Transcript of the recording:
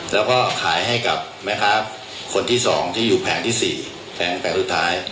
แล้วก็ขายให้กับแม่ค้าคนที่๒ที่อยู่แผงที่๔แผงสุดท้าย